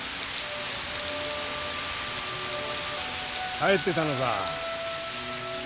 帰ってたのか。